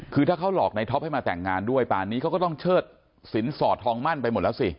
คือถ้าเขาหลอกในท็อปให้มาแต่งงานด้วยป่านนี้เขาก็ต้องเชิดสินสอดทองมั่นไปหมดแล้วสิ